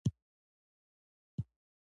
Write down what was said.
پنځه وخته به په ډاډه زړه اودس پرې تازه کېدلو.